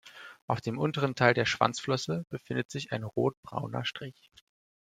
Auf dem unteren Teil der Schwanzflosse befindet sich ein rotbrauner Strich.